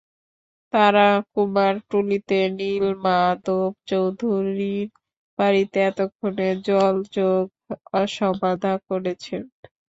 তাঁরা কুমারটুলিতে নীলমাধব চৌধুরীর বাড়িতে এতক্ষণে জলযোগ সমাধা করছেন।